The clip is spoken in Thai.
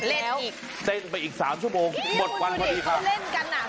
เล่นอีกเต้นไปอีก๓ชั่วโมงหมดวันพอดีครับพี่มึงดูเด็กก็เล่นกันน่ะ